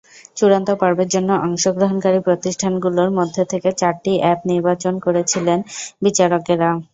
চূড়ান্ত পর্বের জন্য অংশগ্রহণকারী প্রতিষ্ঠানগুলোর মধ্য থেকে চারটি অ্যাপ নির্বাচন করেছিলেন বিচারকেরা।